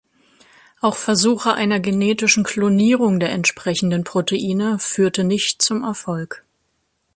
Auch Versuche einer genetischen Klonierung der entsprechenden Proteine führte nicht zum Erfolg.